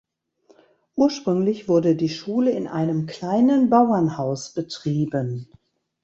Ursprünglich wurde die Schule in einem kleinen Bauernhaus betrieben.